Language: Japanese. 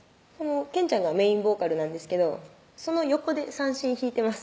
ケンちゃんがメインボーカルなんですけどその横で三線弾いてます